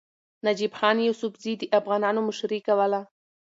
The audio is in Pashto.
نجیب خان یوسفزي د افغانانو مشري کوله.